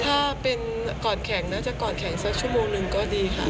ถ้าเป็นก่อนแข่งน่าจะก่อนแข่งสักชั่วโมงหนึ่งก็ดีค่ะ